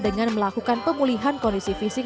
dengan melakukan pemulihan kondisi fisik